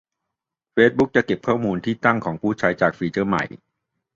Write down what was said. เฟซบุ๊กจะเก็บข้อมูลที่ตั้งของผู้ใช้ จากฟีเจอร์ใหม่